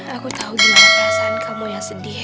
aku tahu gimana perasaan kamu yang sedih